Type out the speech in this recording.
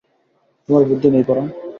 তোমার বুদ্ধি নেই পরাণ।